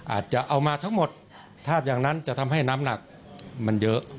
อาจจะเอามาทั้งหมดถ้าอย่างนั้นจะทำให้น้ำหนักมันเยอะ